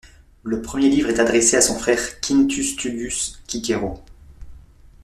Le premier livre est adressé à son frère Quintus Tullius Cicero.